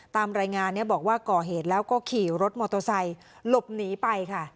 ตามรายงานบอกว่าก่อเหตุแล้วก็ขี่รถมอเตอร์ไซค์หลบหนีไปค่ะ